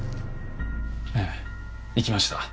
ええ行きました。